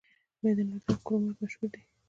د میدان وردګو کرومایټ مشهور دی؟